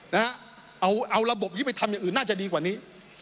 นะฮะเอาระบบนี้ไปทำอย่างอื่นน่าจะดีกว่านี้